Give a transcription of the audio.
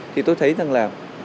thì tôi thấy rằng là